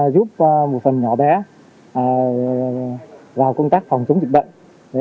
giúp một phần nhỏ bé vào công tác phòng chống dịch bệnh